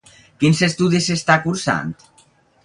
Quins estudis està cursant?